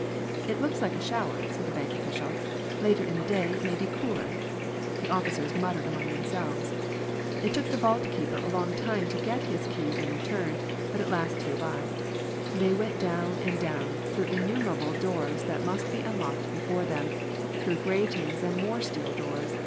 "It looks like a shower," said the bank official. "Later in the day it may be cooler." The officers muttered among themselves. It took the vault keeper a long time to get his keys and return, but at last he arrived. They went down and down, through innumerable doors that must be unlocked before them, through gratings and more steel doors.